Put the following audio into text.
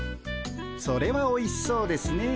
それはおいしそうですねえ。